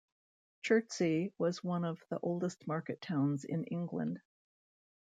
Chertsey was one of the oldest market towns in England.